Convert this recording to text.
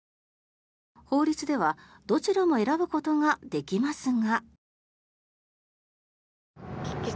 法律では、どちらも選ぶことができますが。